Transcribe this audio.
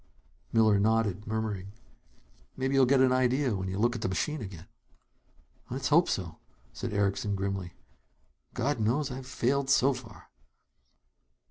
Miller nodded, murmuring: "Maybe you'll get an idea when you look at the machine again." "Let's hope so," said Erickson grimly. "God knows I've failed so far!"